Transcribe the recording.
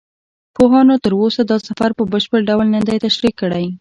پوهانو تر اوسه دا سفر په بشپړ ډول نه دی تشریح کړی.